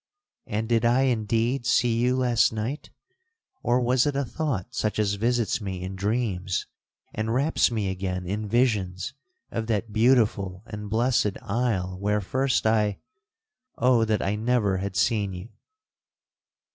—and did I indeed see you last night, or was it a thought such as visits me in dreams, and wraps me again in visions of that beautiful and blessed isle where first I—Oh that I never had seen you!'